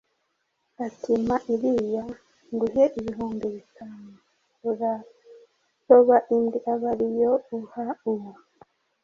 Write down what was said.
ati: “Mpa iriya nguhe ibihumbi bitanu, uraroba indi abe ari yo uha uwo